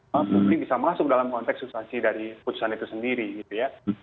mungkin bisa masuk dalam konteks situasi dari keputusan itu sendiri gitu ya